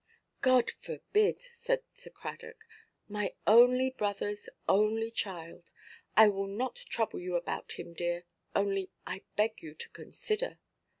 '" "God forbid!" said Sir Cradock. "My only brotherʼs only child! I will not trouble you about him, dear. Only I beg you to consider."